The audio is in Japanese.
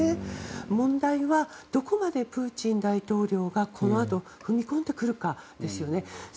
問題はどこまでプーチン大統領がこのあと踏み込んでくるかです。